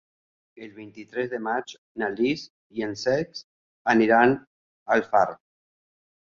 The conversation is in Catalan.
El vint-i-tres de maig na Lis i en Cesc aniran a Alfarb.